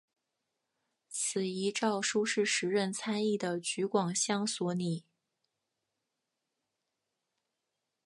此一诏书是时任参议的橘广相所拟。